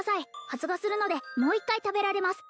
発芽するのでもう一回食べられます